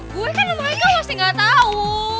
gue kan sama haikal pasti gak tau